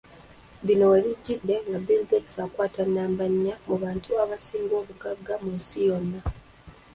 Bino we bijjidde nga Bill Gates akwata nnamba nnya mu bantu abasinga obugagga mu nsi yonna.